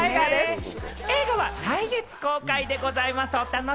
映画は来月公開でございます。